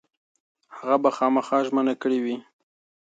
هغه به خامخا ژمنه کړې وي.